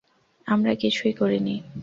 আমরা কিছুই করিনি।